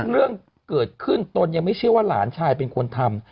เรื่องเกิดขึ้นตนยังไม่เชื่อว่าหลานชายเป็นคนทำ